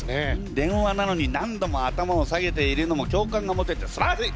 電話なのに何度も頭を下げているのも共感が持ててすばらしい！